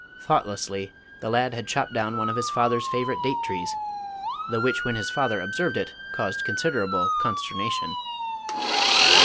Thoughtlessly the lad had chopped down one of his father's favorite date trees, the which when his father observed it, caused considerable consternation.